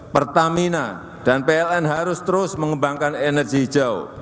pertamina dan pln harus terus mengembangkan energi hijau